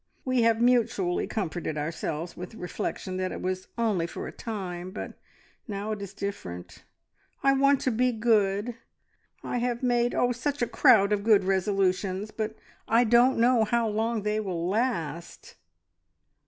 We have mutually comforted ourselves with the reflection that it was `only for a time,' but now it is different. I want to be good I have made, oh! such a crowd of good resolutions, but I don't know how long they will last!"